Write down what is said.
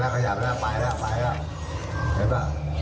ขยับแล้วไปแล้ว